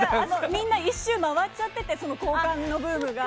みんな１周、回っちゃってて交換のブームが。